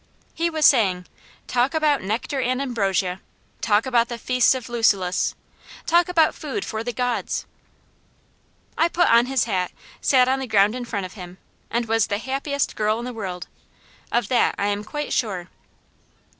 He was saying: "Talk about nectar and ambrosia! Talk about the feasts of Lucullus! Talk about food for the Gods!" I put on his hat, sat on the ground in front of him, and was the happiest girl in the world, of that I am quite sure.